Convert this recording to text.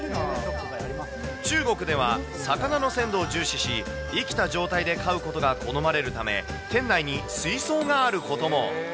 中国では、魚の鮮度を重視し、生きた状態で買うことが好まれるため、店内に水槽があることも。